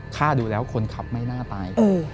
ฆ่าดูแล้วคนขับไม่น่าตาย